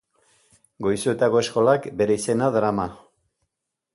Goizuetako eskolak bere izena darama.